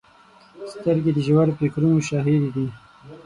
سترګې د ژور فکرونو شاهدې دي